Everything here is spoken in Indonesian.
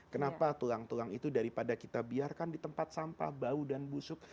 kenapa tulang tulang itu daripada kita biarkan di tempat sampah bau dan busuk